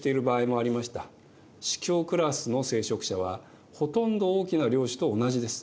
司教クラスの聖職者はほとんど大きな領主と同じです。